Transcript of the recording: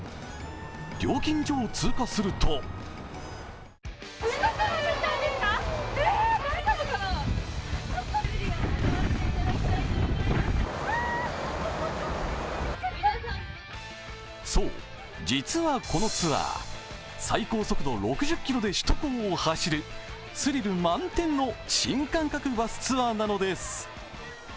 料金所を通過するとそう、実はこのツアー最高速度６０キロで首都高を走るスリル満点の新感覚バスツアーなのです。